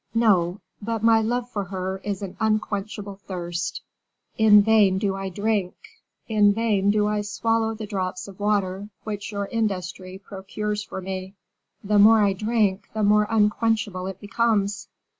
"No; but my love for her is an unquenchable thirst; in vain do I drink, in vain do I swallow the drops of water which your industry procures for me; the more I drink, the more unquenchable it becomes."